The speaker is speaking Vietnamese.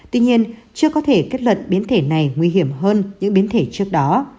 tuy nhiên chưa có thể kết luận biến thể này nguy hiểm hơn những biến thể trước đó